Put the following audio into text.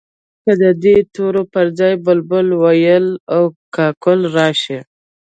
که د دې تورو پر ځای بلبل، وېل او کاکل راشي.